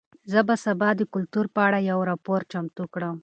زه به سبا د کلتور په اړه یو راپور چمتو کړم.